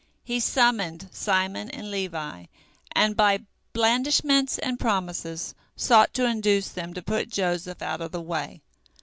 He summoned Simon and Levi, and by blandishments and promises sought to induce them to put Joseph out of the way.